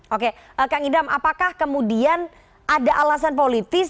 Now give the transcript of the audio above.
oke kang idam apakah kemudian ada alasan politis